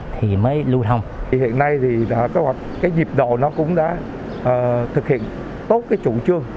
thì mới lưu thông